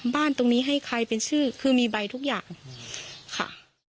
บ้านตรงนี้ให้ใครเป็นชื่อคือมีใบทุกอย่างค่ะ